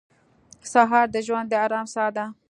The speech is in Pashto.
سهار د ژوند د ارام ساه ده.